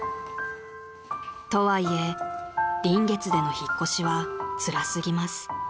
とはいえ臨月での引っ越しはつら過ぎます］